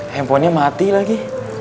handphonenya mati lagi